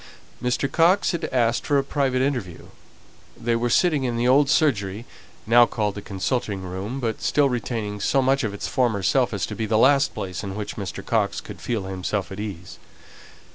Mr. Coxe had asked for a private interview; they were sitting in the old surgery, now called the consulting room, but still retaining so much of its former self as to be the last place in which Mr. Coxe could feel himself at ease.